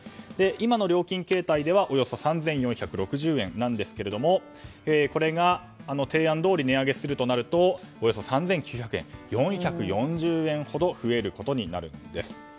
今の料金形態ではおよそ３４６０円ですがこれが提案どおり値上げするとなるとおよそ３９００円と４４０円ほど増えることになるんです。